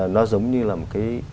nó giống như là một cái tham khảo